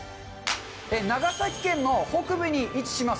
長崎県の北部に位置します